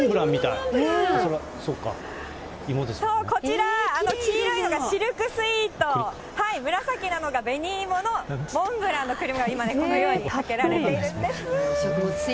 そっか、こちら黄色いのがシルクスイート、紫なのが紅芋のモンブラン、これね、今、このようにかけられているんです。